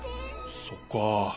そっか。